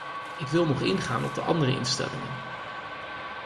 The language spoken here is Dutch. Ik wil nog ingaan op de andere instellingen.